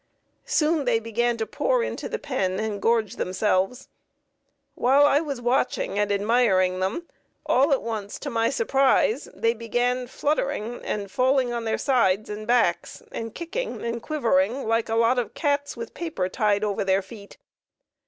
Soon they began to pour into the pen and gorge themselves. While I was watching and admiring them, all at once to my surprise they began fluttering and falling on their sides and backs and kicking and quivering like a lot of cats with paper tied over their feet.